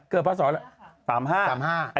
เกิดเพราะสตอะไร